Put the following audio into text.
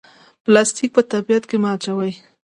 پلاستیک په طبیعت کې مه اچوئ